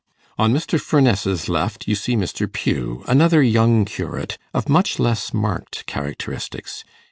On Mr. Furness's left you see Mr. Pugh, another young curate, of much less marked characteristics.